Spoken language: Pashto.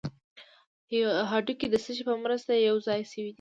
هډوکي د څه شي په مرسته یو ځای شوي دي